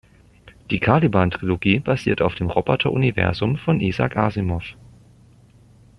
Die "Caliban"-Trilogie basiert auf dem "Roboter"-Universum von Isaac Asimov.